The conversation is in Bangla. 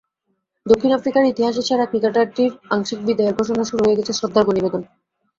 দক্ষিণ আফ্রিকার ইতিহাসে সেরা ক্রিকেটারটির আংশিক বিদায়ের ঘোষণায় শুরু হয়ে গেছে শ্রদ্ধার্ঘ নিবেদন।